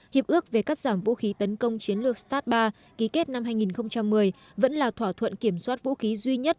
hiệp ước về cắt giảm vũ khí tấn công chiến lược stat ba ký kết năm hai nghìn một mươi vẫn là thỏa thuận kiểm soát vũ khí duy nhất